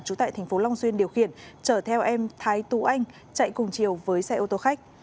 trú tại tp long xuyên điều khiển chở theo em thái tú anh chạy cùng chiều với xe ô tô khách